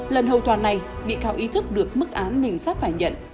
lần hầu tòa này bị cao ý thức được mức án mình sắp phải nhận